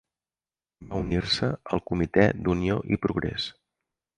Va unir-se al Comitè d'Unió i Progrés.